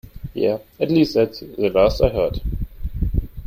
Yeah, at least that's the last I heard.